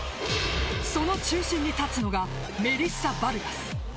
その中心に立つのがメリッサ・バルガス。